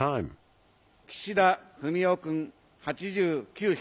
岸田文雄君８９票。